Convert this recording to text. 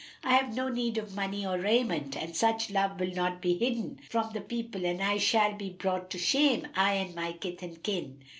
I have no need of money or raiment and such love will not be hidden from the people and I shall be brought to shame, I and my kith and kin."